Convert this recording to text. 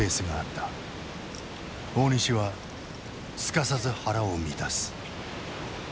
大西はすかさず腹を満たす。